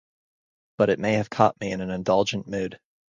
But it may have caught me in an indulgent mood.